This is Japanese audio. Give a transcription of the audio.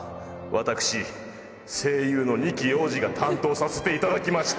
私声優の二木陽次が担当させていただきました！